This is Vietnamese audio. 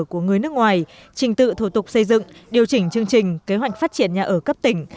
của người nước ngoài trình tự thủ tục xây dựng điều chỉnh chương trình kế hoạch phát triển nhà ở cấp tỉnh